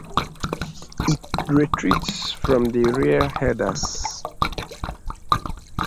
It retreats from the rear headers.